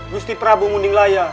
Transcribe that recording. gusti prabu mundinglaya